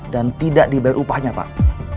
dan tidak dibayar upahnya pak